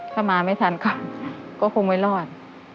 ถ้ามาไม่ทันค่ะก็คงไม่รอด